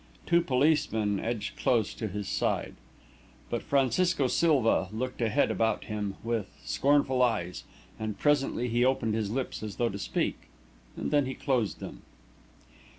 Two policemen edged close to his side. But Francisco Silva looked about him with scornful eyes, and presently he opened his lips as though to speak, and then he closed them.